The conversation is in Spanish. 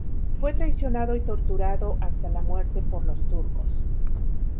Fue traicionado y torturado hasta la muerte por los turcos.